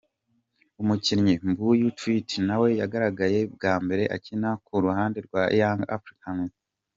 Umukinnyi Mbuyu Twite nawe yagaragaye bwa mbere akina ku ruhande rwa Yanga Africans.